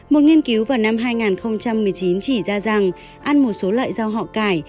một nghiên cứu vào năm hai nghìn một mươi chín chỉ ra rằng ăn một số loại rau họ cải